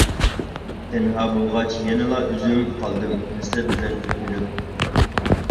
تەنھا بولغاچ يەنىلا ئۆزۈم، قالدىم ھەسرەت بىلەن ئۆكۈنۈپ.